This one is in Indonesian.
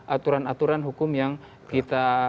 aturan aturan hukum yang kita